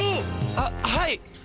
あっはい！